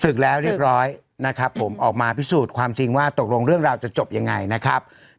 แล้วเรียบร้อยนะครับผมออกมาพิสูจน์ความจริงว่าตกลงเรื่องราวจะจบยังไงนะครับ